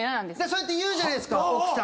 そう言うじゃないですか。